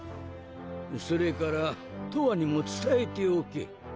それからとわにも伝えておけ。